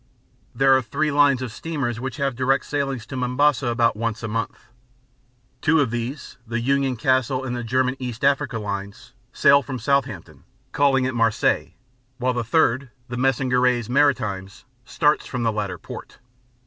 There are three lines of steamers which have direct sailings to Mombasa about once a month. Two of these (the Union Castle and the German East African Lines) sail from Southampton, calling at Marseilles, while the third (the Messageries Maritimes) starts from the latter port.